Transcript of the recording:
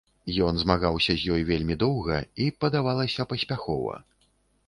Ён змагаўся з ёй вельмі доўга і, падавалася, паспяхова.